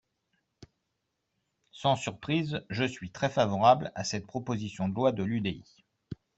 Sans surprise, je suis très favorable à cette proposition de loi de l’UDI.